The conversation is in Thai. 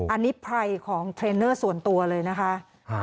อันนี้ไพรของเทรนเนอร์ส่วนตัวเลยนะคะ